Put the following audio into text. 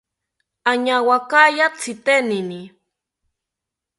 Añawakaya tzitenini